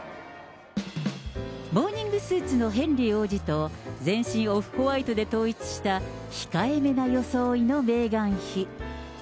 モーニングスーツのヘンリー王子と、全身オフホワイトで統一した控えめな装いのメーガン妃。